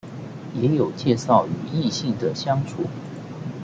也有介紹與異性的相處